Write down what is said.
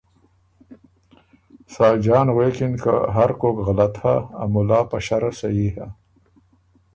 ساجان غوېکِن که ”هرکوک غلط هۀ، ا مُلا په شرع صحیح هۀ“۔